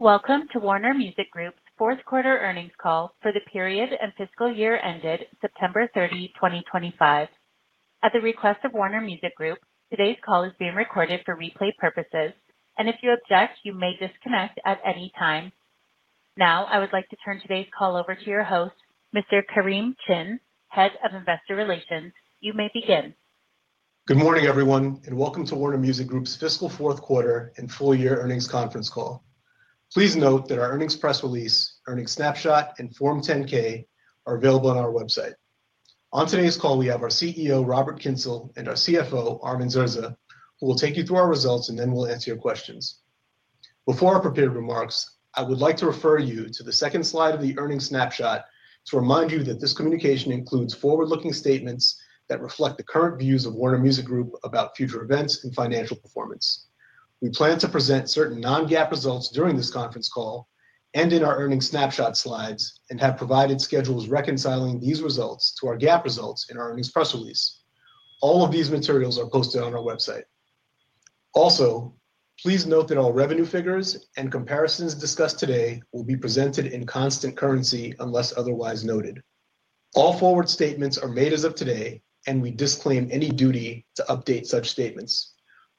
Welcome to Warner Music Group's fourth quarter earnings call for the period and fiscal year ended September 30, 2025. At the request of Warner Music Group, today's call is being recorded for replay purposes, and if you object, you may disconnect at any time. Now, I would like to turn today's call over to your host, Mr. Kareem Chin, Head of Investor Relations. You may begin. Good morning, everyone, and welcome to Warner Music Group's fiscal fourth quarter and full year earnings conference call. Please note that our earnings press release, earnings snapshot, and Form 10-K are available on our website. On today's call, we have our CEO, Robert Kyncl, and our CFO, Armin Zerza, who will take you through our results, and then we'll answer your questions. Before our prepared remarks, I would like to refer you to the second slide of the earnings snapshot to remind you that this communication includes forward-looking statements that reflect the current views of Warner Music Group about future events and financial performance. We plan to present certain non-GAAP results during this conference call and in our earnings snapshot slides and have provided schedules reconciling these results to our GAAP results in our earnings press release. All of these materials are posted on our website. Also, please note that all revenue figures and comparisons discussed today will be presented in constant currency unless otherwise noted. All forward statements are made as of today, and we disclaim any duty to update such statements.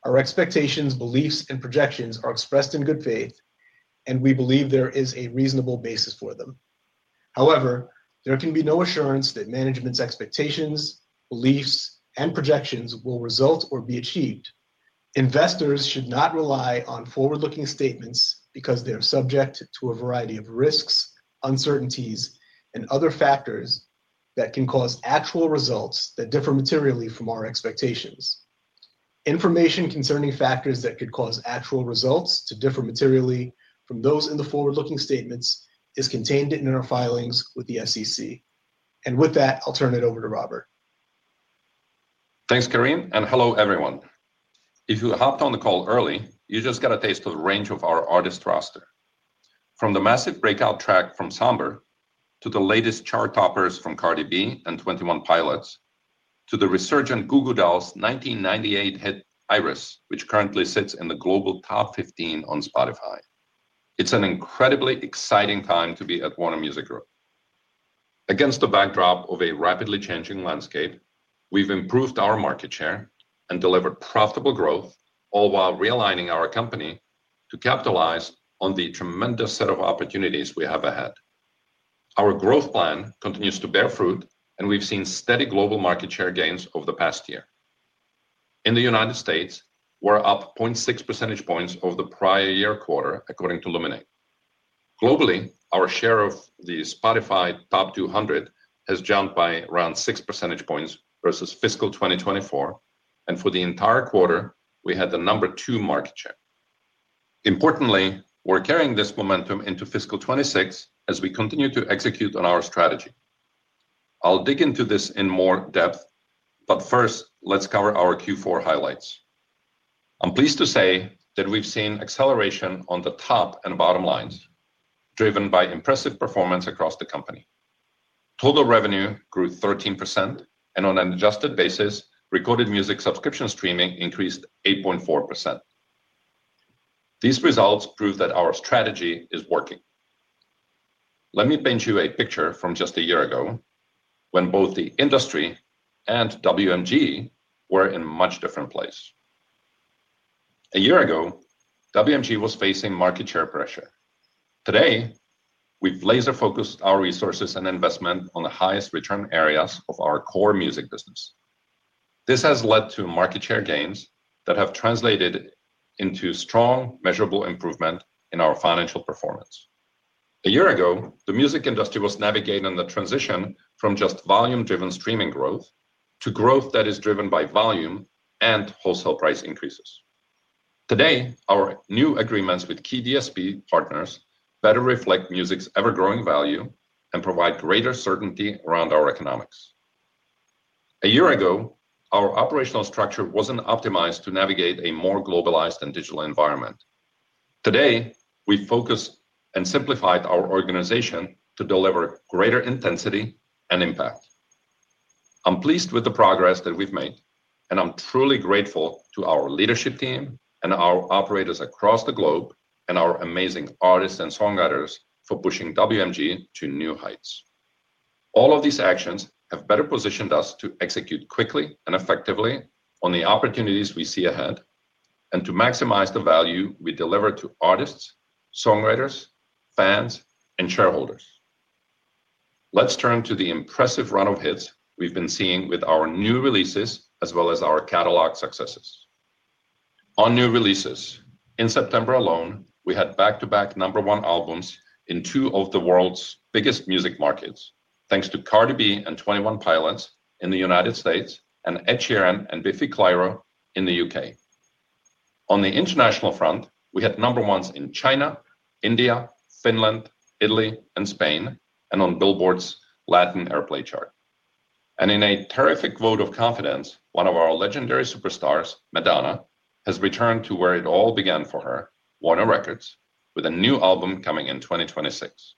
Our expectations, beliefs, and projections are expressed in good faith, and we believe there is a reasonable basis for them. However, there can be no assurance that management's expectations, beliefs, and projections will result or be achieved. Investors should not rely on forward-looking statements because they are subject to a variety of risks, uncertainties, and other factors that can cause actual results that differ materially from our expectations. Information concerning factors that could cause actual results to differ materially from those in the forward-looking statements is contained in our filings with the SEC. With that, I'll turn it over to Robert. Thanks, Kareem, and hello, everyone. If you hopped on the call early, you just got a taste of the range of our artist roster. From the massive breakout track from Samber to the latest chart toppers from Cardi B and 21 Pilots to the resurgent Goo Goo Dolls 1998 hit Iris, which currently sits in the global top 15 on Spotify, it's an incredibly exciting time to be at Warner Music Group. Against the backdrop of a rapidly changing landscape, we've improved our market share and delivered profitable growth, all while realigning our company to capitalize on the tremendous set of opportunities we have ahead. Our growth plan continues to bear fruit, and we've seen steady global market share gains over the past year. In the United States, we're up 0.6 percentage points over the prior year quarter, according to Luminate. Globally, our share of the Spotify top 200 has jumped by around 6 percentage points versus fiscal 2024, and for the entire quarter, we had the number two market share. Importantly, we're carrying this momentum into fiscal 2026 as we continue to execute on our strategy. I'll dig into this in more depth, but first, let's cover our Q4 highlights. I'm pleased to say that we've seen acceleration on the top and bottom lines, driven by impressive performance across the company. Total revenue grew 13%, and on an adjusted basis, recorded music subscription streaming increased 8.4%. These results prove that our strategy is working. Let me paint you a picture from just a year ago when both the industry and WMG were in a much different place. A year ago, WMG was facing market share pressure. Today, we've laser-focused our resources and investment on the highest return areas of our core music business. This has led to market share gains that have translated into strong, measurable improvement in our financial performance. A year ago, the music industry was navigating the transition from just volume-driven streaming growth to growth that is driven by volume and wholesale price increases. Today, our new agreements with key DSP partners better reflect music's ever-growing value and provide greater certainty around our economics. A year ago, our operational structure wasn't optimized to navigate a more globalized and digital environment. Today, we've focused and simplified our organization to deliver greater intensity and impact. I'm pleased with the progress that we've made, and I'm truly grateful to our leadership team and our operators across the globe and our amazing artists and songwriters for pushing WMG to new heights. All of these actions have better positioned us to execute quickly and effectively on the opportunities we see ahead and to maximize the value we deliver to artists, songwriters, fans, and shareholders. Let's turn to the impressive run of hits we've been seeing with our new releases as well as our catalog successes. On new releases, in September alone, we had back-to-back number one albums in two of the world's biggest music markets, thanks to Cardi B and Twenty One Pilots in the United States and Ed Sheeran and Biffy Clyro in the U.K. On the international front, we had number ones in China, India, Finland, Italy, and Spain, and on Billboard's Latin Airplay chart. In a terrific vote of confidence, one of our legendary superstars, Madonna, has returned to where it all began for her, Warner Records, with a new album coming in 2026.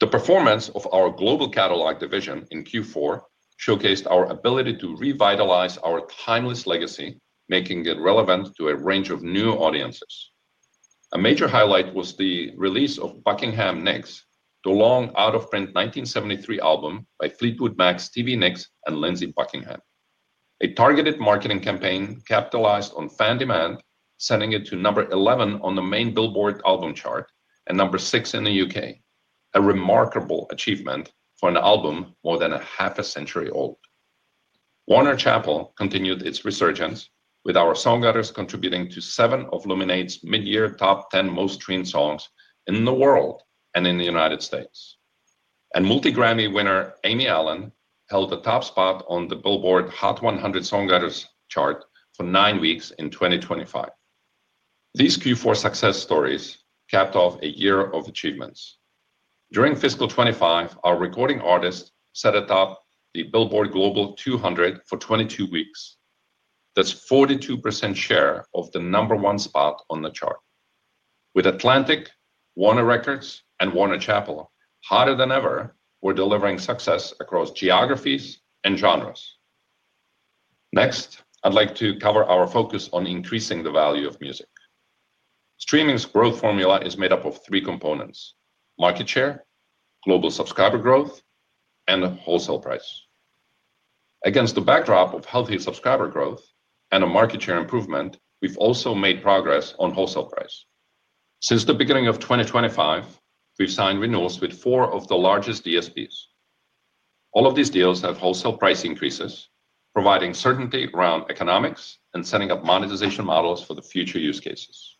The performance of our global catalog division in Q4 showcased our ability to revitalize our timeless legacy, making it relevant to a range of new audiences. A major highlight was the release of Buckingham Nicks, the long out-of-print 1973 album by Fleetwood Mac's Stevie Nicks and Lindsey Buckingham. A targeted marketing campaign capitalized on fan demand, sending it to number 11 on the main Billboard album chart and number 6 in the U.K., a remarkable achievement for an album more than half a century old. Warner Chappell continued its resurgence, with our songwriters contributing to seven of Luminate's mid-year top 10 most streamed songs in the world and in the United States. Multi-Grammy winner Amy Allen held the top spot on the Billboard Hot 100 Songwriters chart for nine weeks in 2025. These Q4 success stories capped off a year of achievements. During fiscal 2025, our recording artist set it up the Billboard Global 200 for 22 weeks. That's a 42% share of the number one spot on the chart. With Atlantic, Warner Records, and Warner Chappell, hotter than ever, we're delivering success across geographies and genres. Next, I'd like to cover our focus on increasing the value of music. Streaming's growth formula is made up of three components: market share, global subscriber growth, and wholesale price. Against the backdrop of healthy subscriber growth and a market share improvement, we've also made progress on wholesale price. Since the beginning of 2025, we've signed renewals with four of the largest DSPs. All of these deals have wholesale price increases, providing certainty around economics and setting up monetization models for the future use cases.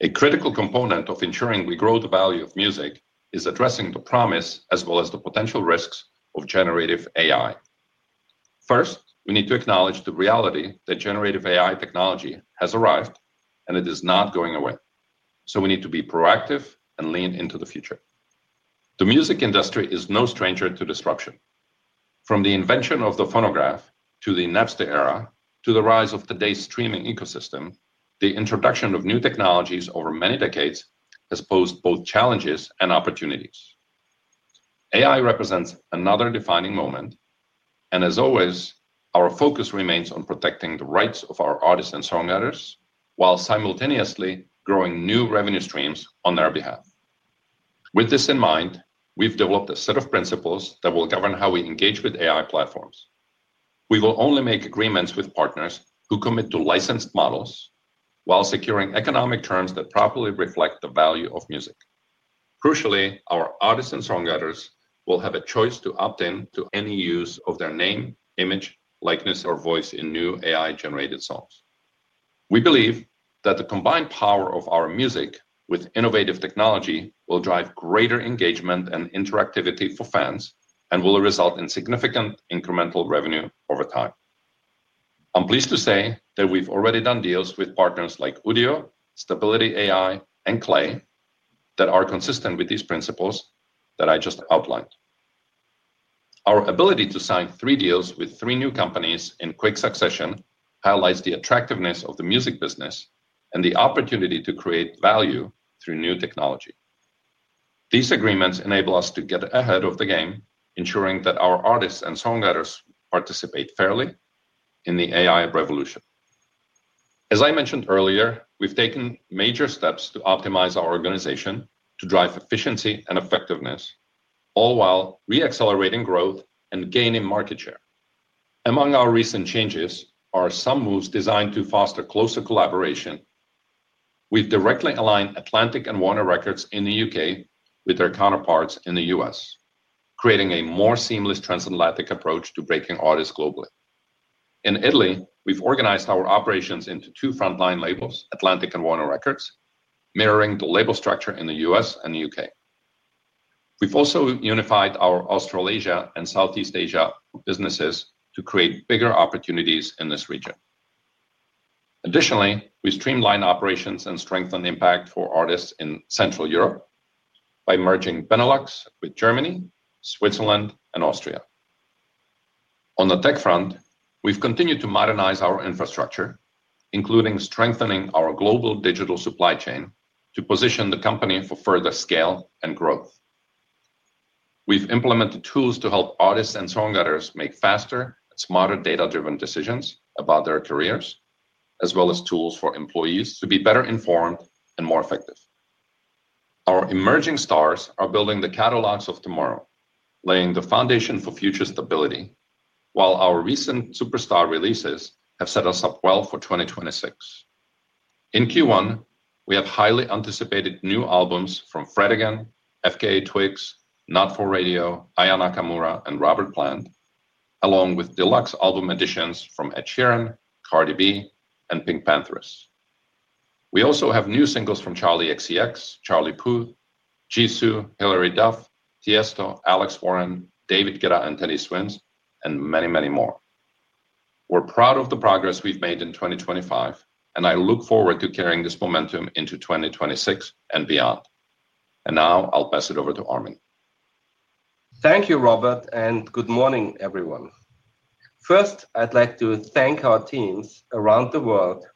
A critical component of ensuring we grow the value of music is addressing the promise as well as the potential risks of generative AI. First, we need to acknowledge the reality that generative AI technology has arrived, and it is not going away. We need to be proactive and lean into the future. The music industry is no stranger to disruption. From the invention of the phonograph to the Napster era to the rise of today's streaming ecosystem, the introduction of new technologies over many decades has posed both challenges and opportunities. AI represents another defining moment, and as always, our focus remains on protecting the rights of our artists and songwriters while simultaneously growing new revenue streams on their behalf. With this in mind, we've developed a set of principles that will govern how we engage with AI platforms. We will only make agreements with partners who commit to licensed models while securing economic terms that properly reflect the value of music. Crucially, our artists and songwriters will have a choice to opt in to any use of their name, image, likeness, or voice in new AI-generated songs. We believe that the combined power of our music with innovative technology will drive greater engagement and interactivity for fans and will result in significant incremental revenue over time. I'm pleased to say that we've already done deals with partners like Udio, Stability AI, and Clay that are consistent with these principles that I just outlined. Our ability to sign three deals with three new companies in quick succession highlights the attractiveness of the music business and the opportunity to create value through new technology. These agreements enable us to get ahead of the game, ensuring that our artists and songwriters participate fairly in the AI revolution. As I mentioned earlier, we've taken major steps to optimize our organization to drive efficiency and effectiveness, all while re-accelerating growth and gaining market share. Among our recent changes are some moves designed to foster closer collaboration. We've directly aligned Atlantic and Warner Records in the U.K. with their counterparts in the U.S., creating a more seamless transatlantic approach to breaking artists globally. In Italy, we've organized our operations into two frontline labels, Atlantic and Warner Records, mirroring the label structure in the U.S. and the U.K. We've also unified our Australasia and Southeast Asia businesses to create bigger opportunities in this region. Additionally, we streamline operations and strengthen impact for artists in Central Europe by merging Benelux with Germany, Switzerland, and Austria. On the tech front, we've continued to modernize our infrastructure, including strengthening our global digital supply chain to position the company for further scale and growth. We've implemented tools to help artists and songwriters make faster and smarter data-driven decisions about their careers, as well as tools for employees to be better informed and more effective. Our emerging stars are building the catalogs of tomorrow, laying the foundation for future stability, while our recent superstar releases have set us up well for 2026. In Q1, we have highly anticipated new albums from Fred Again, FKA Twigs, Not4Radio, Aya Nakamura, and Robert Plant, along with deluxe album editions from Ed Sheeran, Cardi B, and Pink. We also have new singles from Charli XCX, Charlie Puth, Jisoo, Hilary Duff, Tiësto, Alex Warren, David Guetta, and Teddy Swims, and many, many more. We're proud of the progress we've made in 2025, and I look forward to carrying this momentum into 2026 and beyond. I will pass it over to Armin. Thank you, Robert, and good morning, everyone. First, I'd like to thank our teams around the world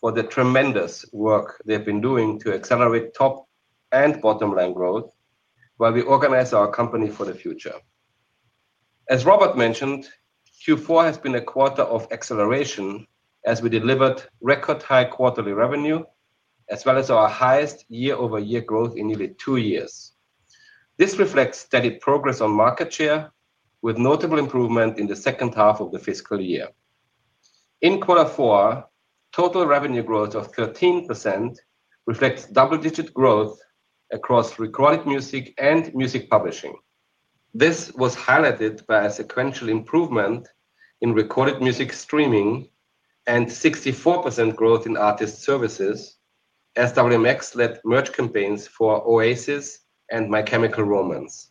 for the tremendous work they've been doing to accelerate top and bottom-line growth while we organize our company for the future. As Robert mentioned, Q4 has been a quarter of acceleration as we delivered record-high quarterly revenue, as well as our highest year-over-year growth in nearly two years. This reflects steady progress on market share, with notable improvement in the second half of the fiscal year. In Q4, total revenue growth of 13% reflects double-digit growth across recorded music and music publishing. This was highlighted by a sequential improvement in recorded music streaming and 64% growth in artist services as WMX led merch campaigns for Oasis and My Chemical Romance.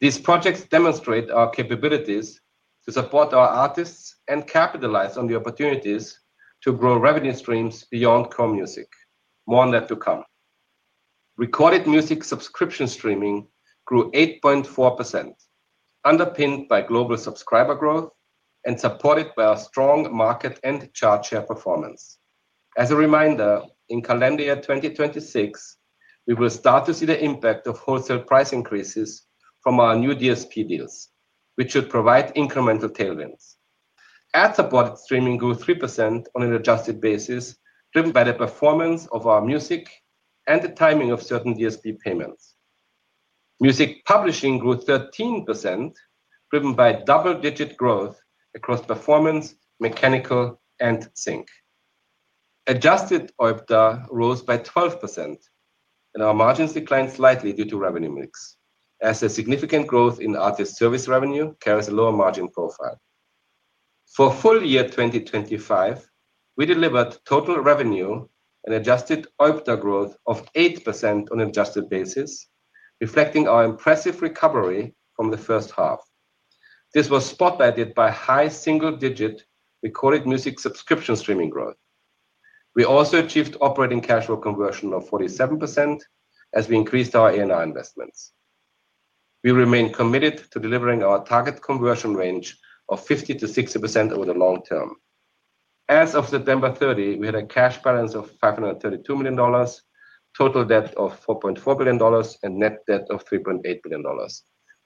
These projects demonstrate our capabilities to support our artists and capitalize on the opportunities to grow revenue streams beyond core music. More on that to come. Recorded music subscription streaming grew 8.4%, underpinned by global subscriber growth and supported by our strong market and chart share performance. As a reminder, in calendar year 2026, we will start to see the impact of wholesale price increases from our new DSP deals, which should provide incremental tailwinds. Ad-supported streaming grew 3% on an adjusted basis, driven by the performance of our music and the timing of certain DSP payments. Music publishing grew 13%, driven by double-digit growth across performance, mechanical, and sync. Adjusted OIBDA rose by 12%, and our margins declined slightly due to revenue mix, as a significant growth in Artist Services revenue carries a lower margin profile. For full year 2025, we delivered total revenue and adjusted OIBDA growth of 8% on an adjusted basis, reflecting our impressive recovery from the first half. This was spotlighted by high single-digit Recorded Music subscription streaming growth. We also achieved operating cash flow conversion of 47% as we increased our A&R investments. We remain committed to delivering our target conversion range of 50%-60% over the long term. As of September 30, we had a cash balance of $532 million, total debt of $4.4 billion, and net debt of $3.8 billion.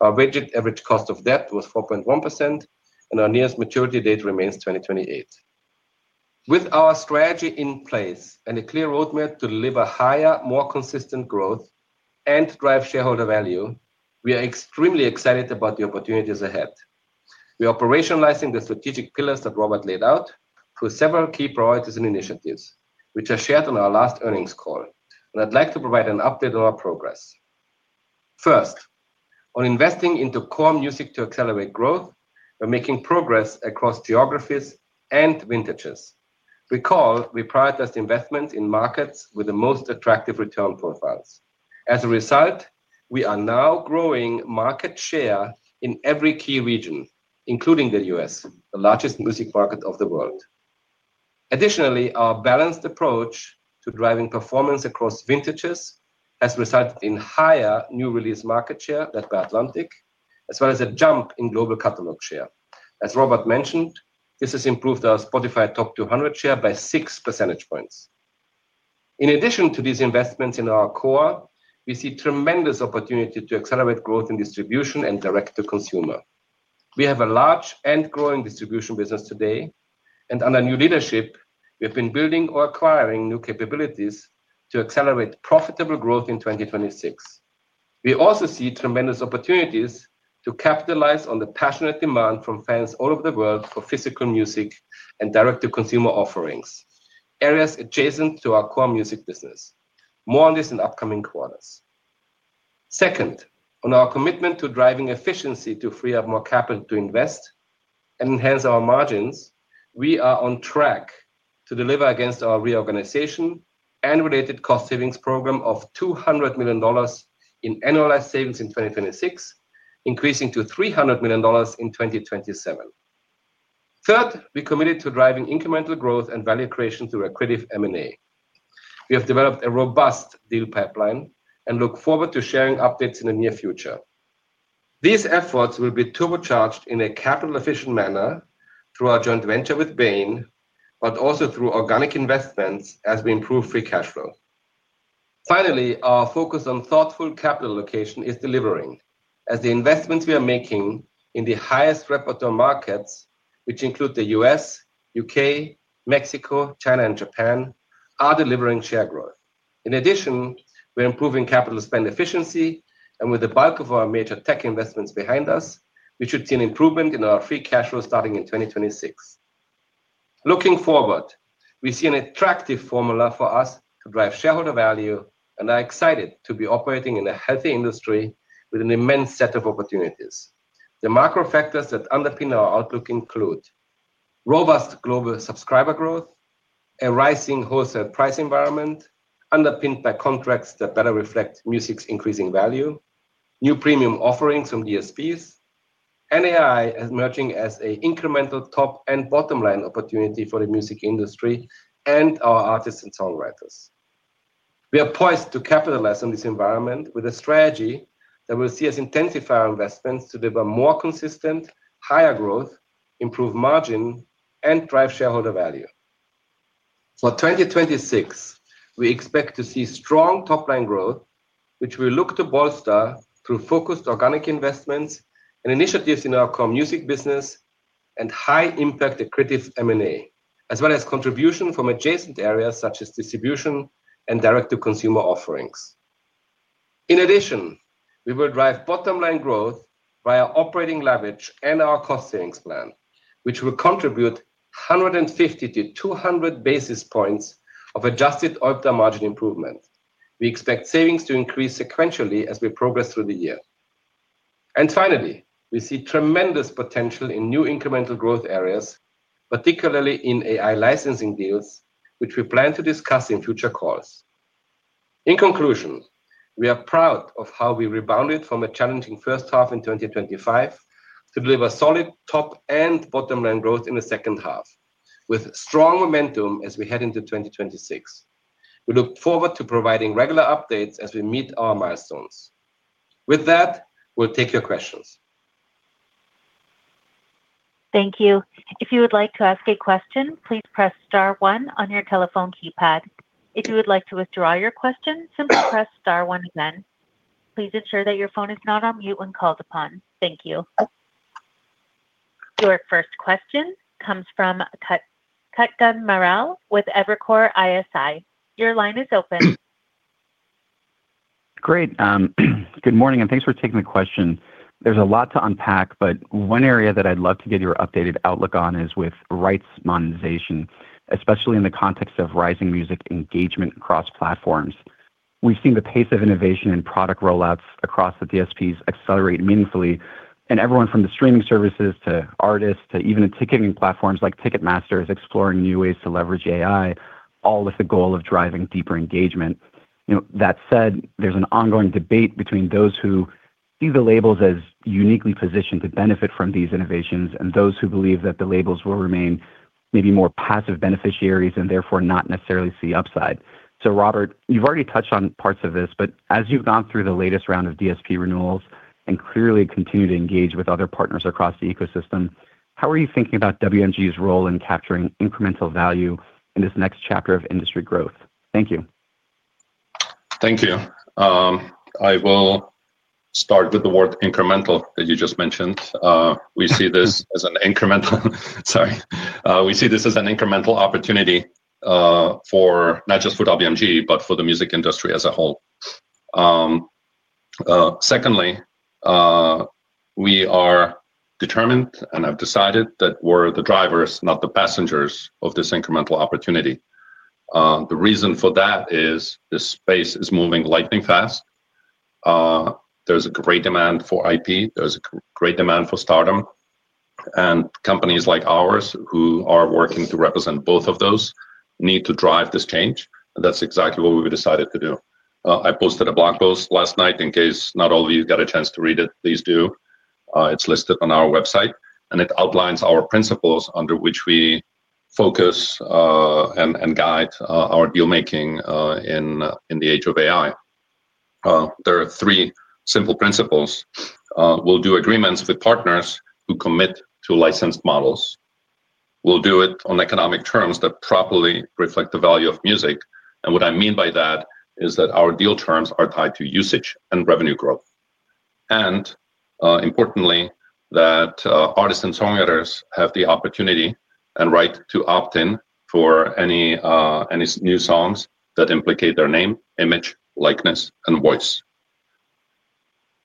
Our weighted average cost of debt was 4.1%, and our nearest maturity date remains 2028. With our strategy in place and a clear roadmap to deliver higher, more consistent growth and drive shareholder value, we are extremely excited about the opportunities ahead. We are operationalizing the strategic pillars that Robert laid out through several key priorities and initiatives, which I shared on our last earnings call. I would like to provide an update on our progress. First, on investing into core music to accelerate growth, we're making progress across geographies and vintages. Recall we prioritized investments in markets with the most attractive return profiles. As a result, we are now growing market share in every key region, including the U.S., the largest music market of the world. Additionally, our balanced approach to driving performance across vintages has resulted in higher new release market share led by Atlantic, as well as a jump in global catalog share. As Robert mentioned, this has improved our Spotify Top 200 share by six percentage points. In addition to these investments in our core, we see tremendous opportunity to accelerate growth in distribution and direct-to-consumer. We have a large and growing distribution business today, and under new leadership, we have been building or acquiring new capabilities to accelerate profitable growth in 2026. We also see tremendous opportunities to capitalize on the passionate demand from fans all over the world for physical music and direct-to-consumer offerings, areas adjacent to our core music business. More on this in upcoming quarters. Second, on our commitment to driving efficiency to free up more capital to invest and enhance our margins, we are on track to deliver against our reorganization and related cost savings program of $200 million in annualized savings in 2026, increasing to $300 million in 2027. Third, we are committed to driving incremental growth and value creation through accretive M&A. We have developed a robust deal pipeline and look forward to sharing updates in the near future. These efforts will be turbocharged in a capital-efficient manner through our joint venture with Bain Capital, but also through organic investments as we improve free cash flow. Finally, our focus on thoughtful capital allocation is delivering, as the investments we are making in the highest revenue markets, which include the U.S., U.K., Mexico, China, and Japan, are delivering share growth. In addition, we're improving capital spend efficiency, and with the bulk of our major tech investments behind us, we should see an improvement in our free cash flow starting in 2026. Looking forward, we see an attractive formula for us to drive shareholder value, and I'm excited to be operating in a healthy industry with an immense set of opportunities. The macro factors that underpin our outlook include robust global subscriber growth, a rising wholesale price environment underpinned by contracts that better reflect music's increasing value, new premium offerings from DSPs, and AI emerging as an incremental top and bottom-line opportunity for the music industry and our artists and songwriters. We are poised to capitalize on this environment with a strategy that will see us intensify our investments to deliver more consistent, higher growth, improve margin, and drive shareholder value. For 2026, we expect to see strong top-line growth, which we look to bolster through focused organic investments and initiatives in our core music business and high-impact accretive M&A, as well as contribution from adjacent areas such as distribution and direct-to-consumer offerings. In addition, we will drive bottom-line growth via operating leverage and our cost savings plan, which will contribute 150 basis points-200 basis points of adjusted OIBDA margin improvement. We expect savings to increase sequentially as we progress through the year. Finally, we see tremendous potential in new incremental growth areas, particularly in AI licensing deals, which we plan to discuss in future calls. In conclusion, we are proud of how we rebounded from a challenging first half in 2025 to deliver solid top and bottom-line growth in the second half, with strong momentum as we head into 2026. We look forward to providing regular updates as we meet our milestones. With that, we'll take your questions. Thank you. If you would like to ask a question, please press star one on your telephone keypad. If you would like to withdraw your question, simply press star one again. Please ensure that your phone is not on mute when called upon. Thank you. Your first question comes from Kutgun Maral with Evercore ISI. Your line is open. Great. Good morning, and thanks for taking the question. There's a lot to unpack, but one area that I'd love to get your updated outlook on is with rights monetization, especially in the context of rising music engagement across platforms. We've seen the pace of innovation and product rollouts across the DSPs accelerate meaningfully, and everyone from the streaming services to artists to even ticketing platforms like Ticketmaster is exploring new ways to leverage AI, all with the goal of driving deeper engagement. That said, there's an ongoing debate between those who see the labels as uniquely positioned to benefit from these innovations and those who believe that the labels will remain maybe more passive beneficiaries and therefore not necessarily see upside. Robert, you've already touched on parts of this, but as you've gone through the latest round of DSP renewals and clearly continue to engage with other partners across the ecosystem, how are you thinking about WMG's role in capturing incremental value in this next chapter of industry growth? Thank you. Thank you. I will start with the word incremental that you just mentioned. We see this as an incremental opportunity for not just WMG, but for the music industry as a whole. Secondly, we are determined and have decided that we're the drivers, not the passengers, of this incremental opportunity. The reason for that is the space is moving lightning fast. There's a great demand for IP. There's a great demand for Stardom. Companies like ours who are working to represent both of those need to drive this change. That's exactly what we've decided to do. I posted a blog post last night in case not all of you got a chance to read it. Please do. It's listed on our website, and it outlines our principles under which we focus and guide our deal-making in the age of AI. There are three simple principles. We'll do agreements with partners who commit to licensed models. We'll do it on economic terms that properly reflect the value of music. What I mean by that is that our deal terms are tied to usage and revenue growth. Importantly, artists and songwriters have the opportunity and right to opt in for any new songs that implicate their name, image, likeness, and voice.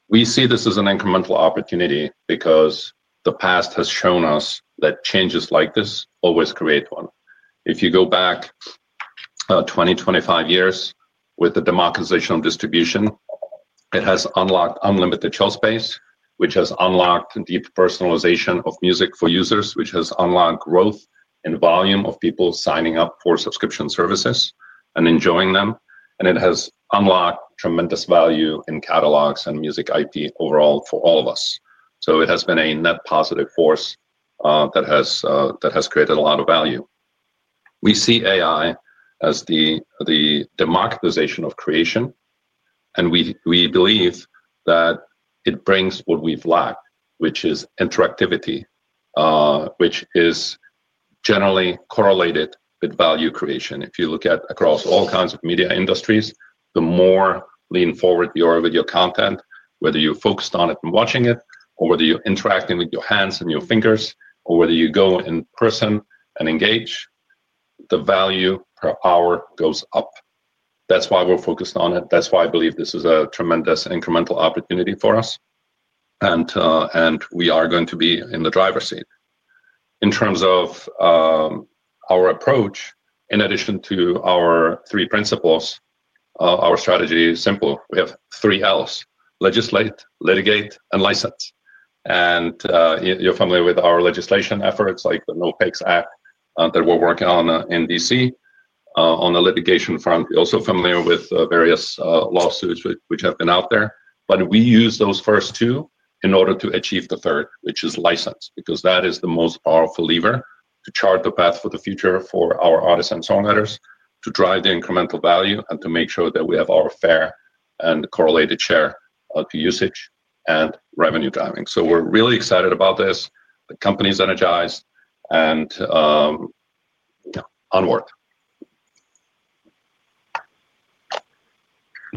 We see this as an incremental opportunity because the past has shown us that changes like this always create one. If you go back 20-25 years with the democratization of distribution, it has unlocked unlimited shelf space, which has unlocked deep personalization of music for users, which has unlocked growth in volume of people signing up for subscription services and enjoying them. It has unlocked tremendous value in catalogs and music IP overall for all of us. It has been a net positive force that has created a lot of value. We see AI as the democratization of creation, and we believe that it brings what we've lacked, which is interactivity, which is generally correlated with value creation. If you look at across all kinds of media industries, the more lean forward you are with your content, whether you're focused on it and watching it, or whether you're interacting with your hands and your fingers, or whether you go in person and engage, the value per hour goes up. That is why we're focused on it. That is why I believe this is a tremendous incremental opportunity for us, and we are going to be in the driver's seat. In terms of our approach, in addition to our three principles, our strategy is simple. We have three Ls: legislate, litigate, and license. You are familiar with our legislation efforts, like the No PACE Act that we are working on in D.C. on the litigation front. You are also familiar with various lawsuits which have been out there. We use those first two in order to achieve the third, which is license, because that is the most powerful lever to chart the path for the future for our artists and songwriters to drive the incremental value and to make sure that we have our fair and correlated share of usage and revenue driving. We are really excited about this. The company's energized and onward.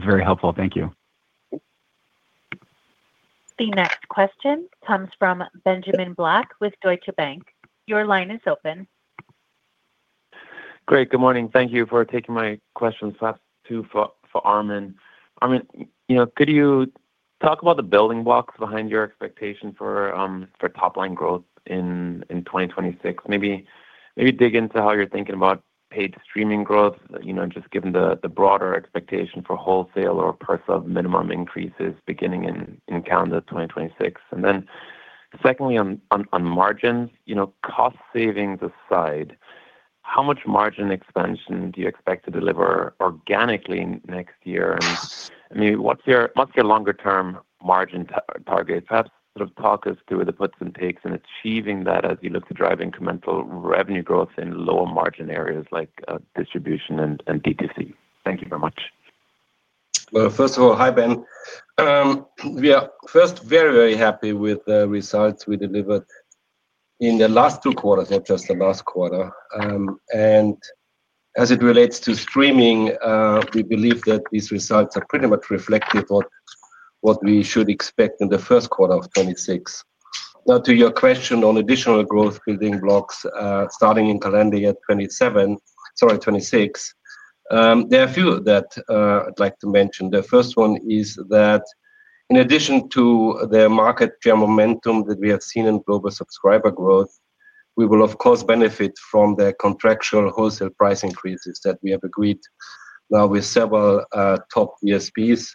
Very helpful. Thank you. The next question comes from Benjamin Black with Deutsche Bank. Your line is open. Great. Good morning. Thank you for taking my questions. Last two for Armin. Armin, could you talk about the building blocks behind your expectation for top-line growth in 2026? Maybe dig into how you're thinking about paid streaming growth, just given the broader expectation for wholesale or per sub minimum increases beginning in Canada 2026. Secondly, on margins, cost savings aside, how much margin expansion do you expect to deliver organically next year? Maybe what's your longer-term margin target? Perhaps sort of talk us through the puts and takes in achieving that as you look to drive incremental revenue growth in lower margin areas like distribution and DTC. Thank you very much. First of all, hi, Ben. We are first very, very happy with the results we delivered in the last two quarters, not just the last quarter. As it relates to streaming, we believe that these results are pretty much reflective of what we should expect in the first quarter of 2026. Now, to your question on additional growth building blocks starting in calendar year 2027, sorry, 2026, there are a few that I'd like to mention. The first one is that in addition to the market geomomentum that we have seen in global subscriber growth, we will, of course, benefit from the contractual wholesale price increases that we have agreed now with several top DSPs.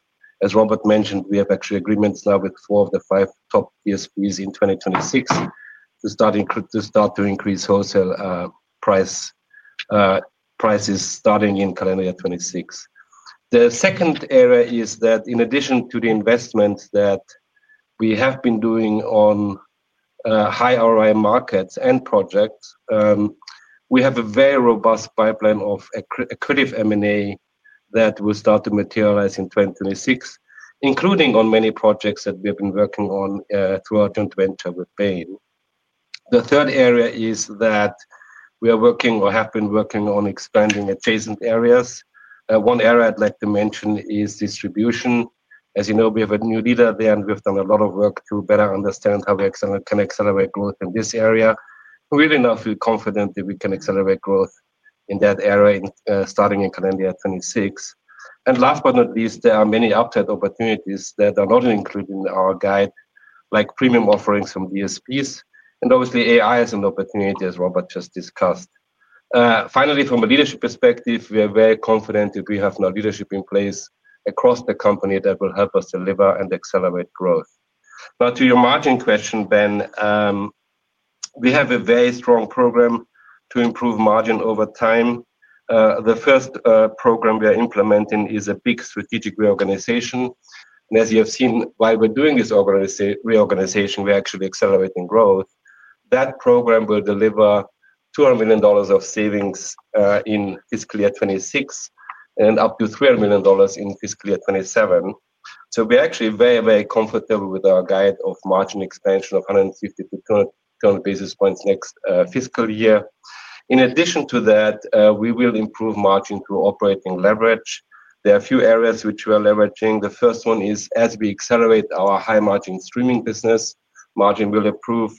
As Robert mentioned, we have actually agreements now with four of the five top DSPs in 2026 to start to increase wholesale prices starting in calendar year 2026. The second area is that in addition to the investments that we have been doing on high ROI markets and projects, we have a very robust pipeline of accretive M&A that will start to materialize in 2026, including on many projects that we have been working on throughout the joint venture with Bain. The third area is that we are working or have been working on expanding adjacent areas. One area I'd like to mention is distribution. As you know, we have a new leader there, and we've done a lot of work to better understand how we can accelerate growth in this area. We really now feel confident that we can accelerate growth in that area starting in calendar year 2026. Last but not least, there are many upside opportunities that are not included in our guide, like premium offerings from DSPs. Obviously, AI is an opportunity, as Robert just discussed. Finally, from a leadership perspective, we are very confident that we have now leadership in place across the company that will help us deliver and accelerate growth. Now, to your margin question, Ben, we have a very strong program to improve margin over time. The first program we are implementing is a big strategic reorganization. As you have seen, while we're doing this reorganization, we're actually accelerating growth. That program will deliver $200 million of savings in fiscal year 2026 and up to $300 million in fiscal year 2027. We are actually very, very comfortable with our guide of margin expansion of 150-200 basis points next fiscal year. In addition to that, we will improve margin through operating leverage. There are a few areas which we are leveraging. The first one is as we accelerate our high-margin streaming business, margin will improve.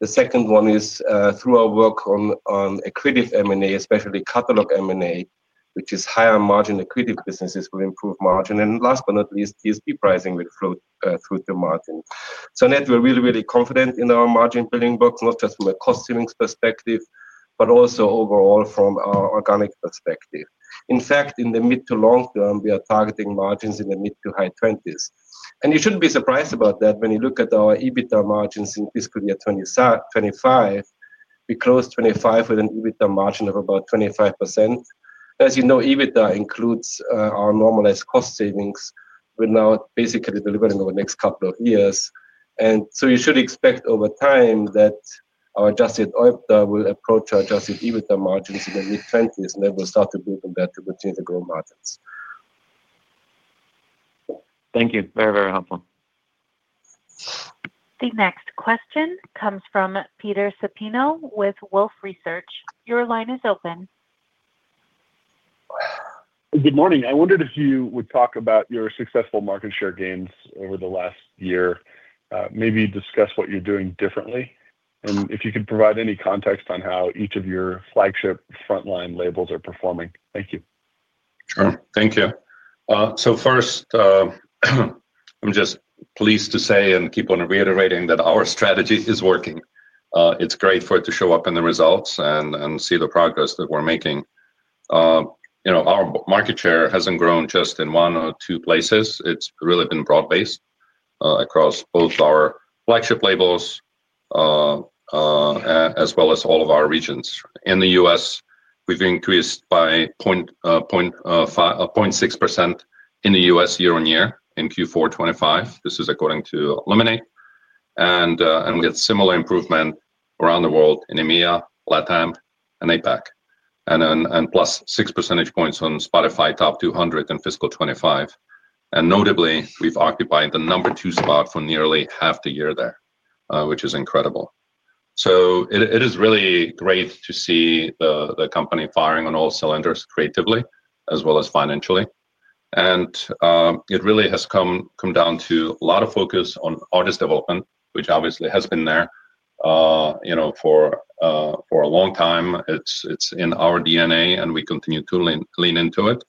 The second one is through our work on accretive M&A, especially catalog M&A, which is higher-margin accretive businesses will improve margin. Last but not least, DSP pricing will float through to margin. We are really, really confident in our margin building blocks, not just from a cost savings perspective, but also overall from our organic perspective. In fact, in the mid to long term, we are targeting margins in the mid to high 20s. You should not be surprised about that. When you look at our EBITDA margins in fiscal year 2025, we closed 2025 with an EBITDA margin of about 25%. As you know, EBITDA includes our normalized cost savings we are now basically delivering over the next couple of years. You should expect over time that our adjusted OIBDA will approach our adjusted EBITDA margins in the mid-20s, and then we'll start to build on that to continue to grow margins. Thank you. Very, very helpful. The next question comes from Peter Supino with Wolf Research. Your line is open. Good morning. I wondered if you would talk about your successful market share gains over the last year, maybe discuss what you're doing differently, and if you could provide any context on how each of your flagship frontline labels are performing. Thank you. Sure. Thank you. First, I'm just pleased to say and keep on reiterating that our strategy is working. It's great for it to show up in the results and see the progress that we're making. Our market share hasn't grown just in one or two places. It's really been broad-based across both our flagship labels as well as all of our regions. In the U.S., we've increased by 0.6% in the U.S. year-on-year in Q4 2025. This is according to Luminate. We had similar improvement around the world in EMEA, LATAM, and APAC, and plus 6 percentage points on Spotify top 200 in fiscal 2025. Notably, we've occupied the number two spot for nearly half the year there, which is incredible. It is really great to see the company firing on all cylinders creatively as well as financially. It really has come down to a lot of focus on artist development, which obviously has been there for a long time. It's in our DNA, and we continue to lean into it.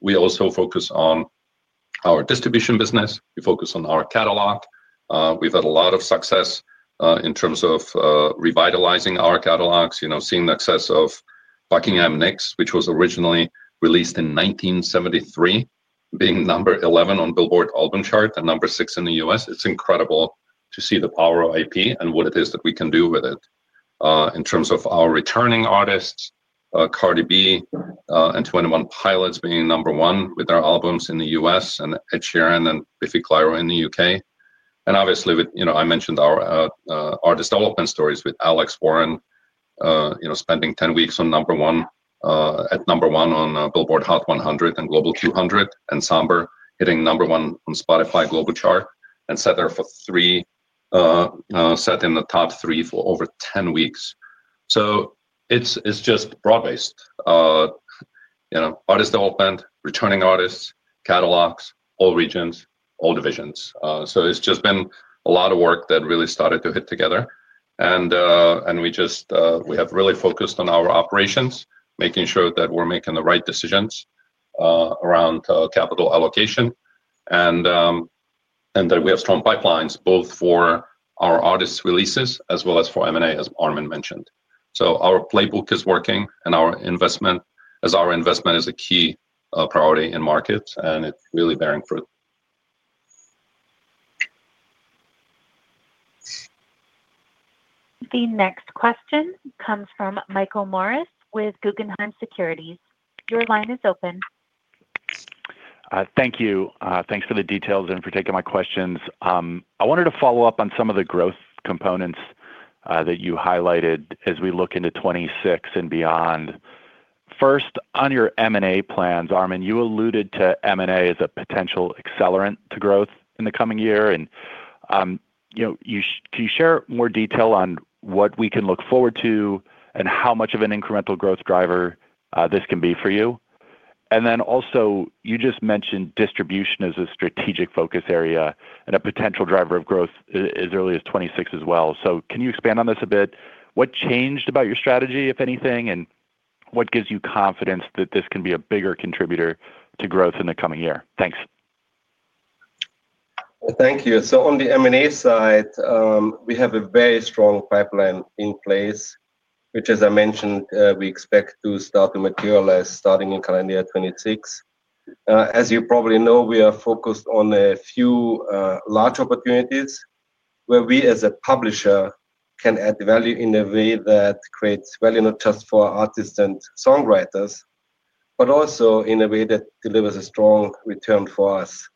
We also focus on our distribution business. We focus on our catalog. We've had a lot of success in terms of revitalizing our catalogs, seeing the success of Buckingham Nicks, which was originally released in 1973, being number 11 on Billboard album chart and number six in the U.S. It's incredible to see the power of IP and what it is that we can do with it in terms of our returning artists, Cardi B and Twenty One Pilots being number one with their albums in the U.S. and Ed Sheeran and Biffy Clyro in the U.K. Obviously, I mentioned our artist development stories with Alex Warren spending 10 weeks at number one on Billboard Hot 100 and Global 200, and Samber hitting number one on Spotify Global Chart and Saturn for three, set in the top three for over 10 weeks. It is just broad-based. Artist development, returning artists, catalogs, all regions, all divisions. It has just been a lot of work that really started to hit together. We have really focused on our operations, making sure that we're making the right decisions around capital allocation and that we have strong pipelines both for our artist releases as well as for M&A, as Armin mentioned. Our playbook is working, and our investment is a key priority in markets, and it is really bearing fruit. The next question comes from Michael Morris with Guggenheim Securities. Your line is open. Thank you. Thanks for the details and for taking my questions. I wanted to follow up on some of the growth components that you highlighted as we look into 2026 and beyond. First, on your M&A plans, Armin, you alluded to M&A as a potential accelerant to growth in the coming year. Can you share more detail on what we can look forward to and how much of an incremental growth driver this can be for you? You just mentioned distribution as a strategic focus area and a potential driver of growth as early as 2026 as well. Can you expand on this a bit? What changed about your strategy, if anything, and what gives you confidence that this can be a bigger contributor to growth in the coming year? Thanks. Thank you. On the M&A side, we have a very strong pipeline in place, which, as I mentioned, we expect to start to materialize starting in calendar year 2026. As you probably know, we are focused on a few large opportunities where we, as a publisher, can add value in a way that creates value not just for artists and songwriters, but also in a way that delivers a strong return for us.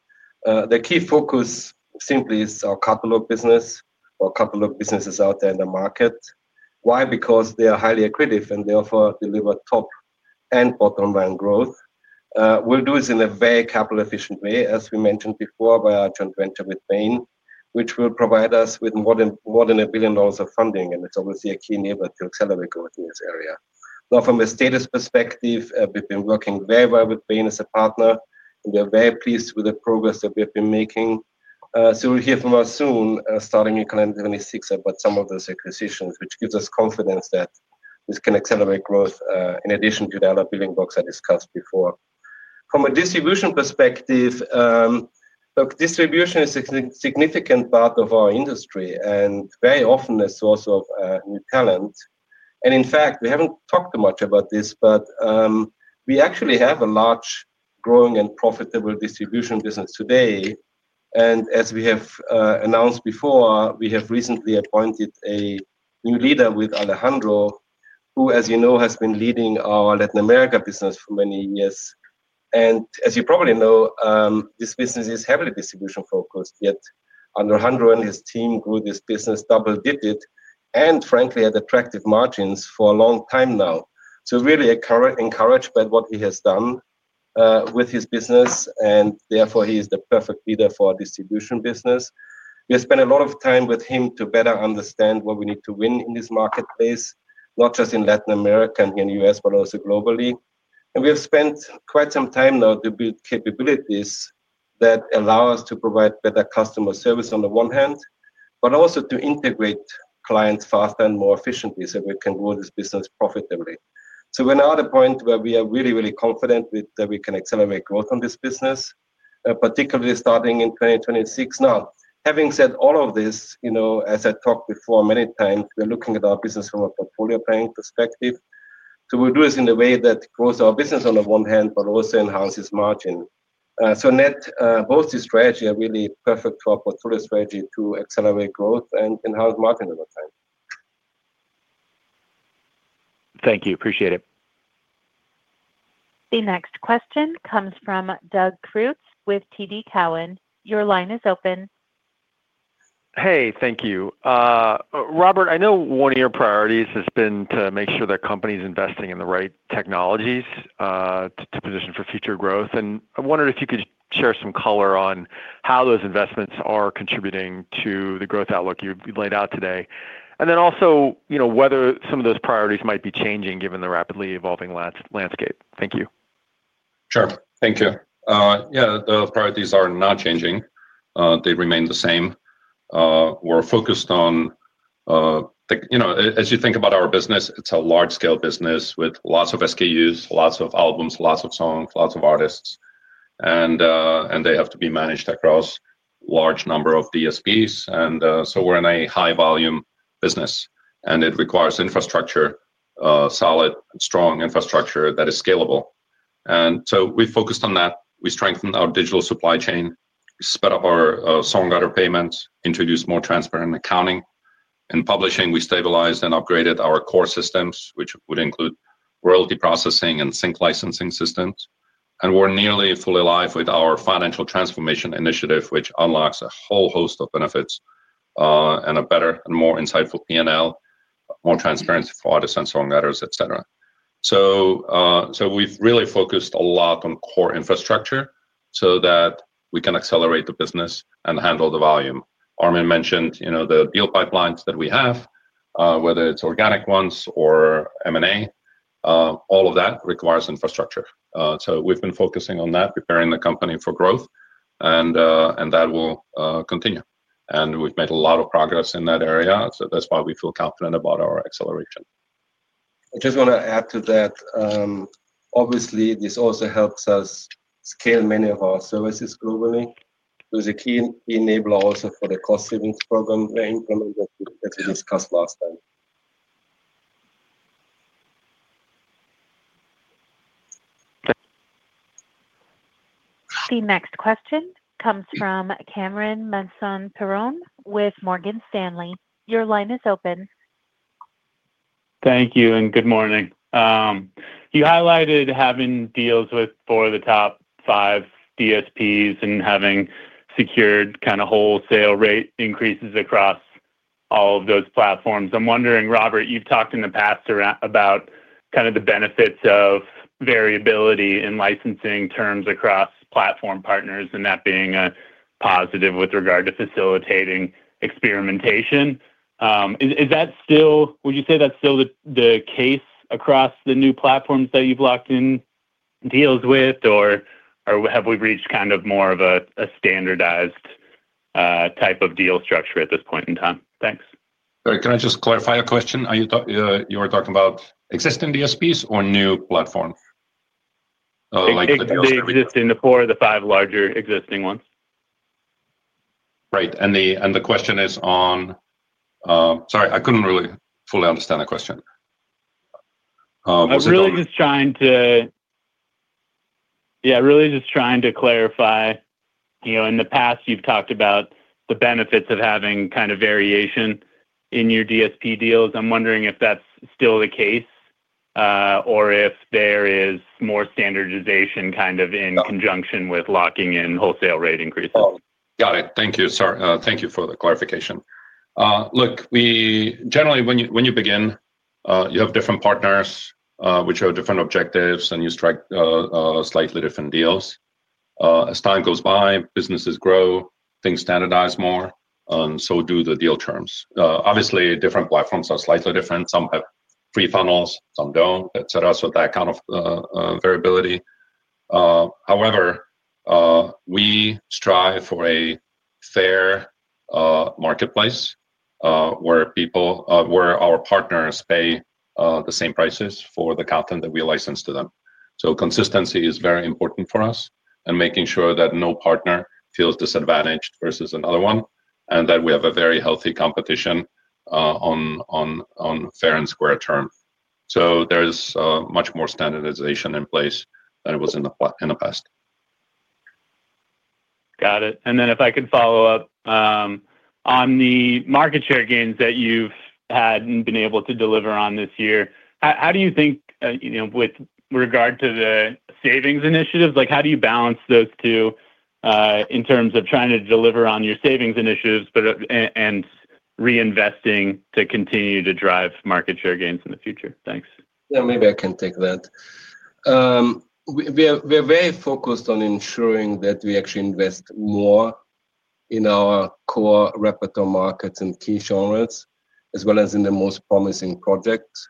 The key focus simply is our catalog business or a couple of businesses out there in the market. Why? Because they are highly accretive and therefore deliver top and bottom line growth. We'll do this in a very capital-efficient way, as we mentioned before by our joint venture with Bain, which will provide us with more than $1 billion of funding. It is obviously a key enabler to accelerate growth in this area. Now, from a status perspective, we've been working very well with Bain as a partner, and we are very pleased with the progress that we've been making. You will hear from us soon starting in calendar year 2026 about some of those acquisitions, which gives us confidence that this can accelerate growth in addition to the other building blocks I discussed before. From a distribution perspective, distribution is a significant part of our industry and very often a source of new talent. In fact, we haven't talked too much about this, but we actually have a large, growing, and profitable distribution business today. As we have announced before, we have recently appointed a new leader with Alejandro, who, as you know, has been leading our Latin America business for many years. As you probably know, this business is heavily distribution-focused, yet Alejandro and his team grew this business double-digit and, frankly, had attractive margins for a long time now. Really encouraged by what he has done with his business, and therefore he is the perfect leader for our distribution business. We have spent a lot of time with him to better understand what we need to win in this marketplace, not just in Latin America and here in the U.S., but also globally. We have spent quite some time now to build capabilities that allow us to provide better customer service on the one hand, but also to integrate clients faster and more efficiently so we can grow this business profitably. We are now at a point where we are really, really confident that we can accelerate growth on this business, particularly starting in 2026. Now, having said all of this, as I talked before many times, we're looking at our business from a portfolio planning perspective. We'll do this in a way that grows our business on the one hand, but also enhances margin. Both these strategies are really perfect for our portfolio strategy to accelerate growth and enhance margin over time. Thank you. Appreciate it. The next question comes from Doug Creutz with TD Cowen. Your line is open. Hey, thank you. Robert, I know one of your priorities has been to make sure that companies investing in the right technologies to position for future growth. I wondered if you could share some color on how those investments are contributing to the growth outlook you laid out today, and also whether some of those priorities might be changing given the rapidly evolving landscape. Thank you. Sure. Thank you. Yeah, the priorities are not changing. They remain the same. We're focused on, as you think about our business, it's a large-scale business with lots of SKUs, lots of albums, lots of songs, lots of artists, and they have to be managed across a large number of DSPs. We're in a high-volume business, and it requires infrastructure, solid, strong infrastructure that is scalable. We focused on that. We strengthened our digital supply chain. We sped up our songwriter payments, introduced more transparent accounting. In publishing, we stabilized and upgraded our core systems, which would include royalty processing and sync licensing systems. We're nearly fully live with our financial transformation initiative, which unlocks a whole host of benefits and a better and more insightful P&L, more transparency for artists and songwriters, etc. We have really focused a lot on core infrastructure so that we can accelerate the business and handle the volume. Armin mentioned the deal pipelines that we have, whether it is organic ones or M&A, all of that requires infrastructure. We have been focusing on that, preparing the company for growth, and that will continue. We have made a lot of progress in that area. That is why we feel confident about our acceleration. I just want to add to that. Obviously, this also helps us scale many of our services globally. It was a key enabler also for the cost savings program we implemented that we discussed last time. The next question comes from Cameron Mansson-Perrone with Morgan Stanley. Your line is open. Thank you and good morning. You highlighted having deals with four of the top five DSPs and having secured kind of wholesale rate increases across all of those platforms. I'm wondering, Robert, you've talked in the past about kind of the benefits of variability in licensing terms across platform partners and that being a positive with regard to facilitating experimentation. Would you say that's still the case across the new platforms that you've locked in deals with, or have we reached kind of more of a standardized type of deal structure at this point in time? Thanks. Can I just clarify a question? You were talking about existing DSPs or new platforms? Existing DSPs. Existing, the four of the five larger existing ones. Right. The question is on—sorry, I could not really fully understand the question. I was really just trying to—yeah, really just trying to clarify. In the past, you've talked about the benefits of having kind of variation in your DSP deals. I'm wondering if that's still the case or if there is more standardization kind of in conjunction with locking in wholesale rate increases. Got it. Thank you. Thank you for the clarification. Look, generally, when you begin, you have different partners which have different objectives, and you strike slightly different deals. As time goes by, businesses grow, things standardize more, and so do the deal terms. Obviously, different platforms are slightly different. Some have free funnels, some do not, etc., so that kind of variability. However, we strive for a fair marketplace where our partners pay the same prices for the content that we license to them. Consistency is very important for us and making sure that no partner feels disadvantaged versus another one and that we have a very healthy competition on fair and square terms. There is much more standardization in place than it was in the past. Got it. If I can follow up on the market share gains that you've had and been able to deliver on this year, how do you think with regard to the savings initiatives? How do you balance those two in terms of trying to deliver on your savings initiatives and reinvesting to continue to drive market share gains in the future? Thanks. Yeah, maybe I can take that. We are very focused on ensuring that we actually invest more in our core repertoire markets and key genres as well as in the most promising projects.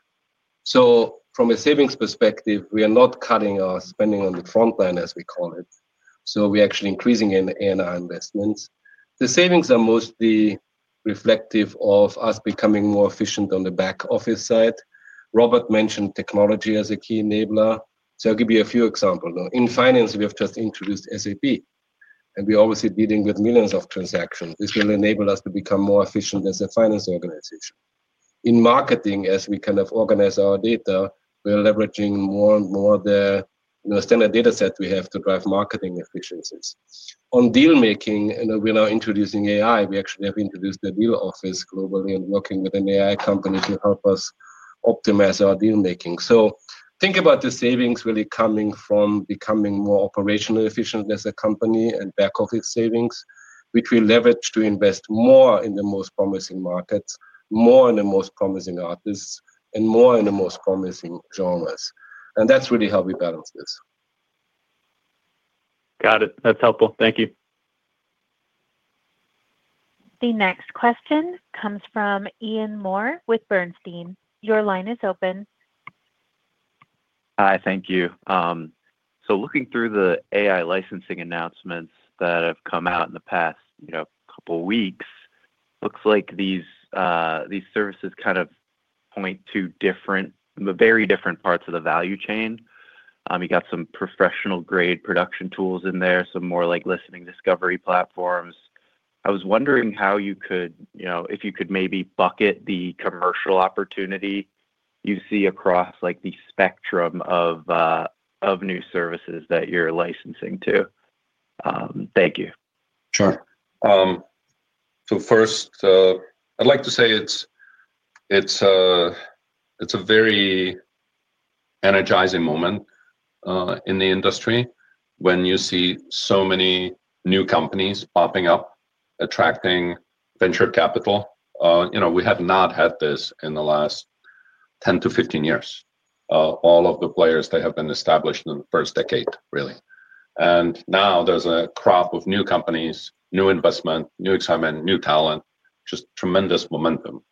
From a savings perspective, we are not cutting our spending on the front line, as we call it. We're actually increasing in our investments. The savings are mostly reflective of us becoming more efficient on the back office side. Robert mentioned technology as a key enabler. I'll give you a few examples. In finance, we have just introduced SAP, and we're obviously dealing with millions of transactions. This will enable us to become more efficient as a finance organization. In marketing, as we kind of organize our data, we're leveraging more and more the standard dataset we have to drive marketing efficiencies. On deal-making, we're now introducing AI. We actually have introduced the deal office globally and working with an AI company to help us optimize our deal-making. Think about the savings really coming from becoming more operationally efficient as a company and back office savings, which we leverage to invest more in the most promising markets, more in the most promising artists, and more in the most promising genres. That is really how we balance this. Got it. That's helpful. Thank you. The next question comes from Ian Moore with Bernstein. Your line is open. Hi, thank you. Looking through the AI licensing announcements that have come out in the past couple of weeks, it looks like these services kind of point to very different parts of the value chain. You got some professional-grade production tools in there, some more like listening discovery platforms. I was wondering how you could, if you could maybe bucket the commercial opportunity you see across the spectrum of new services that you're licensing to. Thank you. Sure. First, I'd like to say it's a very energizing moment in the industry when you see so many new companies popping up, attracting venture capital. We have not had this in the last 10 to 15 years. All of the players that have been established in the first decade, really. Now there's a crop of new companies, new investment, new excitement, new talent, just tremendous momentum.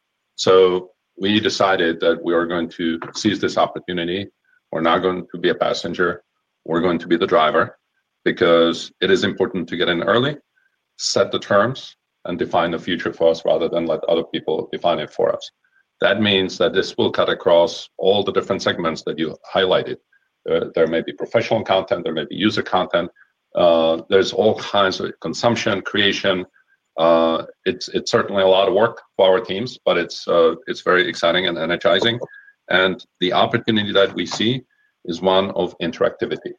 We decided that we are going to seize this opportunity. We're not going to be a passenger. We're going to be the driver because it is important to get in early, set the terms, and define the future for us rather than let other people define it for us. That means that this will cut across all the different segments that you highlighted. There may be professional content. There may be user content. There's all kinds of consumption, creation. It's certainly a lot of work for our teams, but it's very exciting and energizing. The opportunity that we see is one of interactivity.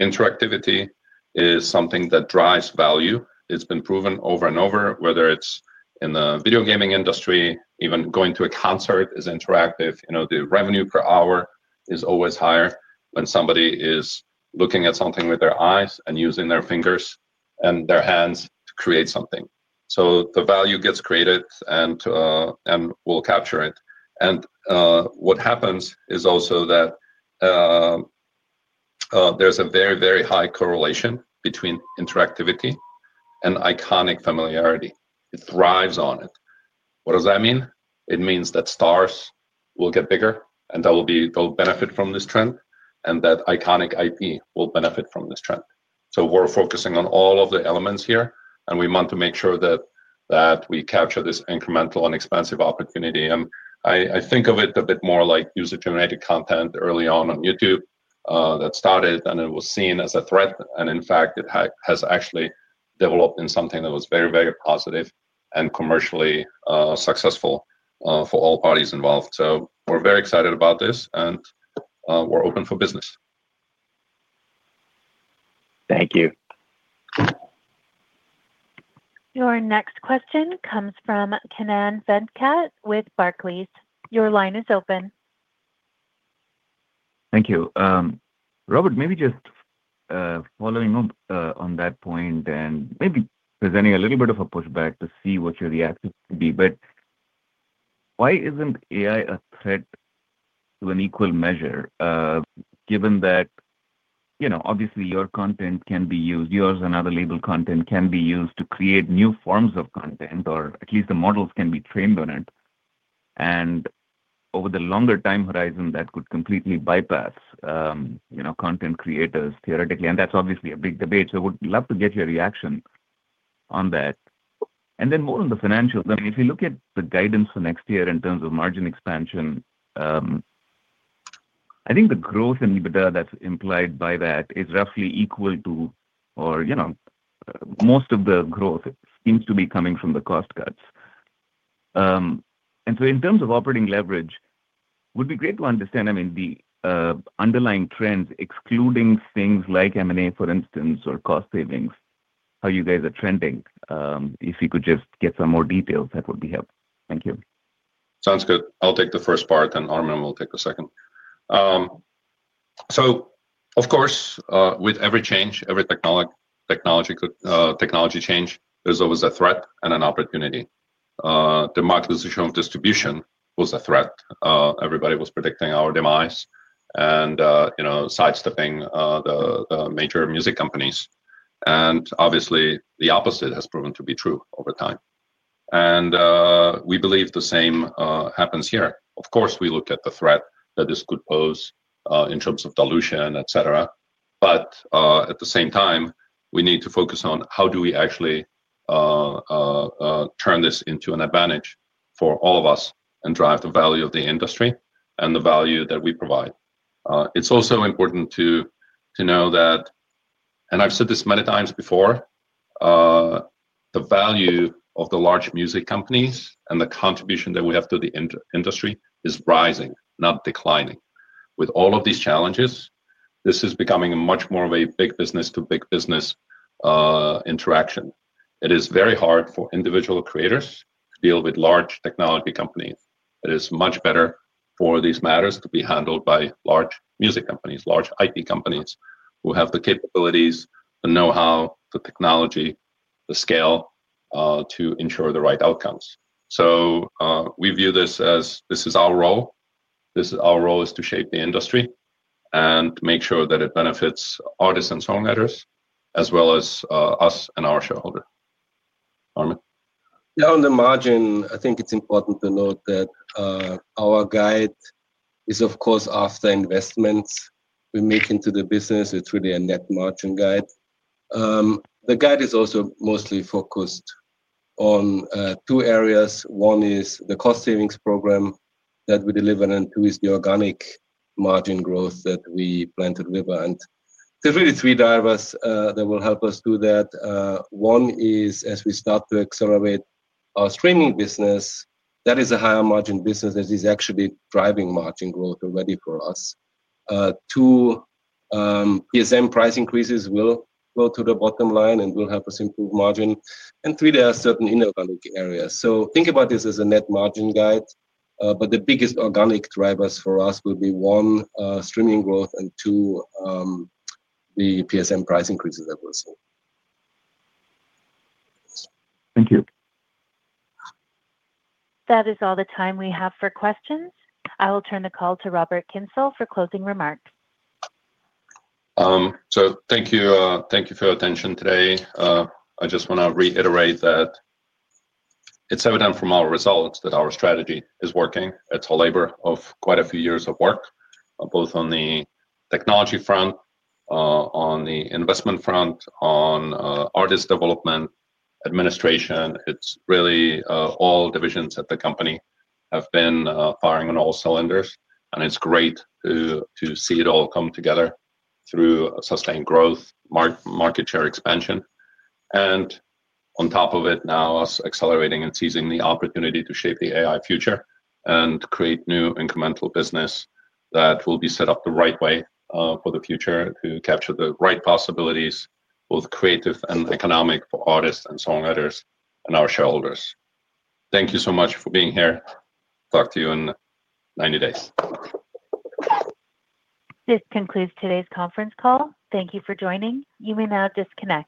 Interactivity is something that drives value. It's been proven over and over, whether it's in the video gaming industry, even going to a concert is interactive. The revenue per hour is always higher when somebody is looking at something with their eyes and using their fingers and their hands to create something. The value gets created and we'll capture it. What happens is also that there's a very, very high correlation between interactivity and iconic familiarity. It thrives on it. What does that mean? It means that stars will get bigger and they'll benefit from this trend, and that iconic IP will benefit from this trend. We're focusing on all of the elements here, and we want to make sure that we capture this incremental and expansive opportunity. I think of it a bit more like user-generated content early on on YouTube that started, and it was seen as a threat. In fact, it has actually developed in something that was very, very positive and commercially successful for all parties involved. We're very excited about this, and we're open for business. Thank you. Your next question comes from Venkatakrishnan with Barclays. Your line is open. Thank you. Robert, maybe just following up on that point and maybe presenting a little bit of a pushback to see what your reaction would be. Why isn't AI a threat to an equal measure given that, obviously, your content can be used, yours and other label content can be used to create new forms of content, or at least the models can be trained on it? Over the longer time horizon, that could completely bypass content creators theoretically. That is obviously a big debate. I would love to get your reaction on that. More on the financials, if you look at the guidance for next year in terms of margin expansion, I think the growth in EBITDA that's implied by that is roughly equal to, or most of the growth seems to be coming from the cost cuts. In terms of operating leverage, it would be great to understand, I mean, the underlying trends, excluding things like M&A, for instance, or cost savings, how you guys are trending. If you could just get some more details, that would be helpful. Thank you. Sounds good. I'll take the first part, and Armin will take the second. Of course, with every change, every technology change, there's always a threat and an opportunity. The market position of distribution was a threat. Everybody was predicting our demise and sidestepping the major music companies. Obviously, the opposite has proven to be true over time. We believe the same happens here. Of course, we look at the threat that this could pose in terms of dilution, etc. At the same time, we need to focus on how do we actually turn this into an advantage for all of us and drive the value of the industry and the value that we provide. It's also important to know that, and I've said this many times before, the value of the large music companies and the contribution that we have to the industry is rising, not declining. With all of these challenges, this is becoming much more of a big business to big business interaction. It is very hard for individual creators to deal with large technology companies. It is much better for these matters to be handled by large music companies, large IP companies who have the capabilities, the know-how, the technology, the scale to ensure the right outcomes. We view this as this is our role. Our role is to shape the industry and make sure that it benefits artists and songwriters as well as us and our shareholders. Armin? Yeah, on the margin, I think it's important to note that our guide is, of course, after investments we make into the business. It's really a net margin guide. The guide is also mostly focused on two areas. One is the cost savings program that we deliver, and two is the organic margin growth that we planted with. There's really three drivers that will help us do that. One is, as we start to accelerate our streaming business, that is a higher margin business that is actually driving margin growth already for us. Two, PSM price increases will go to the bottom line and will help us improve margin. Three, there are certain inorganic areas. Think about this as a net margin guide. The biggest organic drivers for us will be one, streaming growth, and two, the PSM price increases that we'll see. Thank you. That is all the time we have for questions. I will turn the call to Robert Kyncl for closing remarks. Thank you for your attention today. I just want to reiterate that it's evident from our results that our strategy is working. It's a labor of quite a few years of work, both on the technology front, on the investment front, on artist development, administration. It's really all divisions at the company have been firing on all cylinders. It's great to see it all come together through sustained growth, market share expansion. On top of it, now us accelerating and seizing the opportunity to shape the AI future and create new incremental business that will be set up the right way for the future to capture the right possibilities, both creative and economic for artists and songwriters and our shareholders. Thank you so much for being here. Talk to you in 90 days. This concludes today's conference call. Thank you for joining. You may now disconnect.